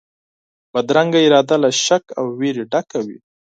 بدرنګه اراده له شک او وېري ډکه وي